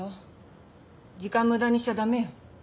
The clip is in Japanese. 時間無駄にしちゃ駄目よ。